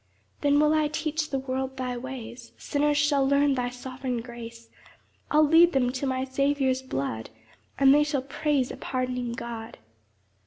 7 Then will I teach the world thy ways; Sinners shall learn thy sovereign grace; I'll lead them to my Saviour's blood, And they shall praise a pardoning God.